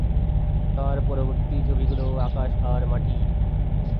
তার পরবর্তী ছবি ছিল "আকাশ আর মাটি"।